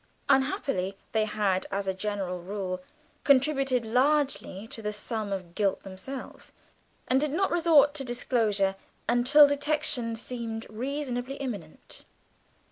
Unhappily they had, as a general rule, contributed largely to the sum of guilt themselves, and did not resort to disclosure until detection seemed reasonably imminent.